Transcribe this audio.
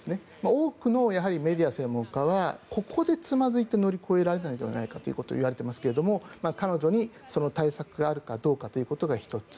多くのメディア、専門家はここでつまずいて乗り越えられないんじゃないかと言われていますけれど彼女にその対策があるかどうかということが１つ。